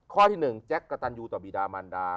ข้อที่หนึ่งแจ๊คกระตัญูต่อบีดามัณฑา